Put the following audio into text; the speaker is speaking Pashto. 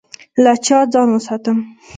له چا ځان وساتم؟